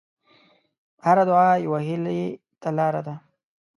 هره دعا یوه هیلې ته لاره ده.